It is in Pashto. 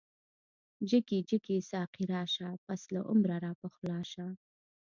جګی جګی ساقی راشه، پس له عمره راپخلا شه